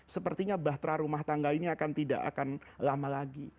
sepertinya bahtera rumah tangga ini akan tidak akan lama lagi